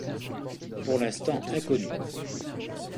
Pour l'instant inconnue.